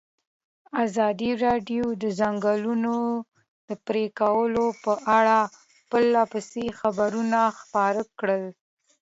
ازادي راډیو د د ځنګلونو پرېکول په اړه پرله پسې خبرونه خپاره کړي.